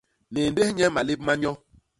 Néndés nye malép ma nyo.